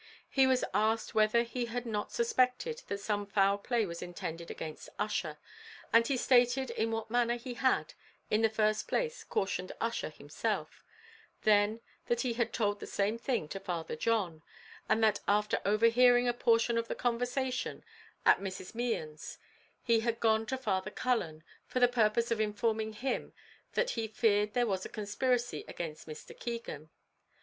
He was asked whether he had not suspected that some foul play was intended against Ussher, and he stated in what manner he had, in the first place, cautioned Ussher himself then that he had told the same thing to Father John and that after overhearing a portion of the conversation at Mrs. Mehan's, he had gone to Father Cullen, for the purpose of informing him that he feared there was a conspiracy against Mr. Keegan.